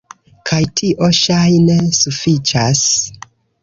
Kaj tio ŝajne sufiĉas.